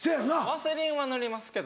ワセリンは塗りますけど。